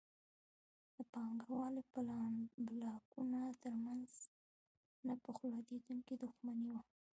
د پانګوالۍ بلاکونو ترمنځ نه پخلاکېدونکې دښمني وه.